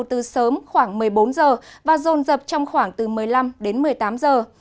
nhiệt độ từ sớm khoảng một mươi bốn giờ và rồn dập trong khoảng từ một mươi năm đến một mươi tám giờ